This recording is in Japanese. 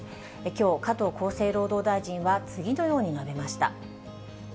きょう、加藤厚生労働大臣は次のように述べました。